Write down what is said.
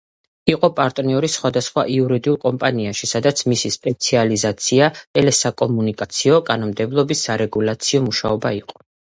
იყო პარტნიორი სხვადასხვა იურიდიულ კომპანიაში, სადაც მისი სპეციალიზაცია „ტელესაკომუნიკაციო კანონმდებლობის სარეგულაციო მუშაობა“ იყო.